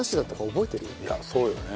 いやそうよね。